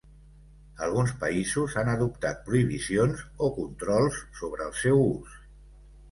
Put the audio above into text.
Alguns països han adoptat prohibicions o controls sobre el seu ús.